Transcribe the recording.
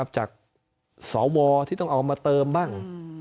จากสวที่ต้องเอามาเติมบ้าง